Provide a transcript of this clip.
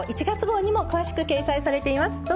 １月号にも詳しく掲載されています。